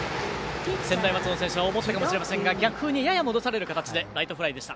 専大松戸の選手は思ったかもしれませんが逆風にやや戻される形でライトフライでした。